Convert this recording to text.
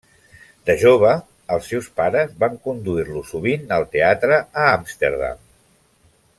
De jove, els seus pares van conduir-lo sovint al teatre a Amsterdam.